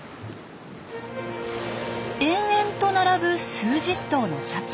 延々と並ぶ数十頭のシャチ。